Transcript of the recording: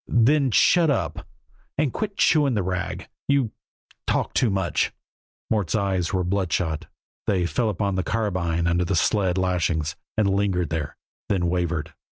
"Then shut up, and quit chewing the rag. You talk too much." Mort's eyes were bloodshot; they fell upon the carbine under the sled lashings, and lingered there, then wavered.